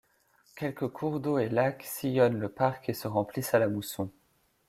Quelques cours d'eau et lac sillonnent le parc et se remplissent à la mousson.